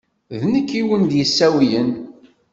D nekk i wen-d-yessawlen.